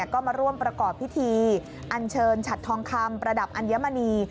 ก็มาร่วมประกอบพิธีอันเชิญฉัดทองคำประดับอัญมณี